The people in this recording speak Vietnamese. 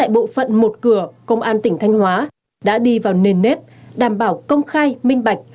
bộ phận một cửa công an tỉnh thanh hóa đã đi vào nền nếp đảm bảo công khai minh bạch